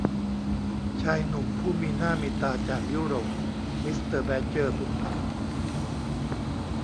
ชายหนุ่มผู้มีหน้ามีตาจากยุโรป มิสเตอร์แบดเจอร์พึมพำ